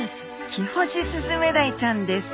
キホシスズメダイちゃんです。